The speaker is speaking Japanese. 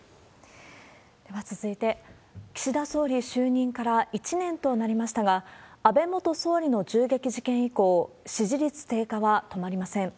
では続いて、岸田総理就任から１年となりましたが、安倍元総理の銃撃事件以降、支持率低下は止まりません。